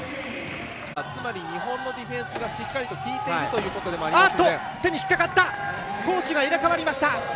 つまり日本のディフェンスがしっかり効いているということでもあります。